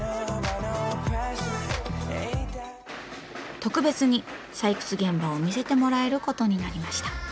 特別に採掘現場を見せてもらえることになりました。